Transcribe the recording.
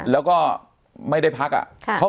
แล้วก็ไม่ได้พักอ่ะ